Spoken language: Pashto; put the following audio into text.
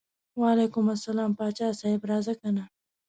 وعلیکم السلام پاچا صاحب راځه کنه.